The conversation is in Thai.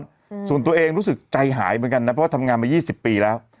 อืมส่วนตัวเองรู้สึกใจหายเหมือนกันนะเพราะว่าทำงานมายี่สิบปีแล้ว